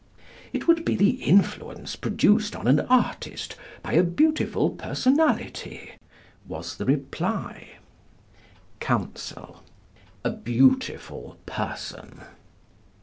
"It would be the influence produced on an artist by a beautiful personality," was the reply. Counsel: A beautiful person?